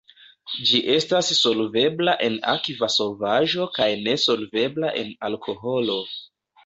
Ĝi estas solvebla en akva solvaĵo kaj ne solvebla en alkoholo.